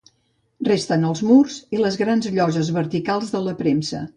Resten els murs i les grans lloses verticals de la premsa.